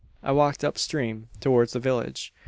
I walked on up stream, towards the village.